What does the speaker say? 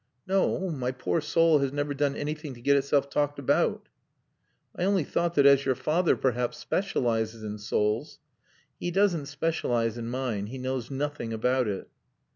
"No; my poor soul has never done anything to get itself talked about." "I only thought that as your father, perhaps, specialises in souls " "He doesn't specialise in mine. He knows nothing about it."